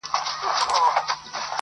سپوږمۍ مو لاري څاري پیغامونه تښتوي-